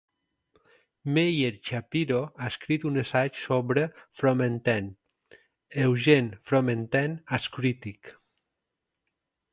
Meyer Schapiro ha escrit un assaig sobre Fromentin, "Eugene Fromentin as Critic".